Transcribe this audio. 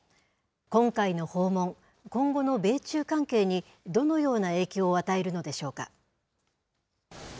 今回の訪問、今後の米中関係にどのような影響を与えるのでしょうか。